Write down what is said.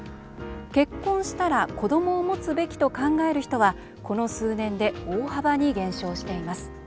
「結婚したら子どもを持つべき」と考える人はこの数年で大幅に減少しています。